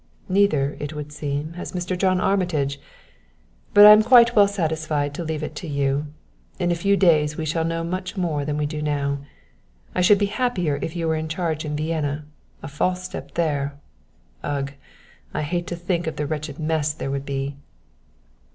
"Neither, it would seem, has Mr. John Armitage! But I am quite well satisfied to leave it to you. In a few days we shall know much more than we do now. I should be happier if you were in charge in Vienna. A false step there ugh! I hesitate to think of the wretched mess there would be."